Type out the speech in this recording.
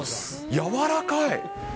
やわらかい。